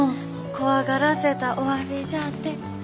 怖がらせたおわびじゃあて。